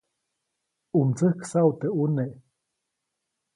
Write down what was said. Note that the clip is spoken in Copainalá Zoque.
ʼU mtsäjksaʼu teʼ ʼuneʼ.